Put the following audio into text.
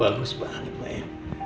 wah bagus banget